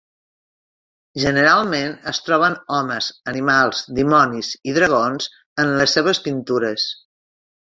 Generalment es troben homes, animals, dimonis i dragons en les seves pintures.